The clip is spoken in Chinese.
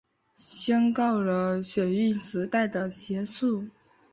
宣告了水运时代的结束